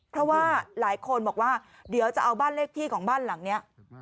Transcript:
เพราะว่าหลายคนบอกว่าเดี๋ยวจะเอาบ้านเลขที่ของบ้านหลังนี้